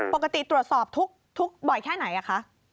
ปกติตรวจสอบทุกบ่อยแค่ไหนคะ